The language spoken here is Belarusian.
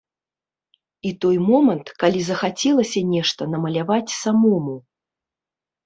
І той момант, калі захацелася нешта намаляваць самому.